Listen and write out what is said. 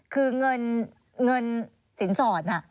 คือเงินสินสอน